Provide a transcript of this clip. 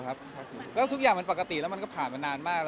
มันพักประติแล้วแล้วทุกอย่างมันก็ผ่านมันนานมาก